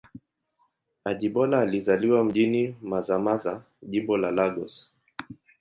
Ajibola alizaliwa mjini Mazamaza, Jimbo la Lagos.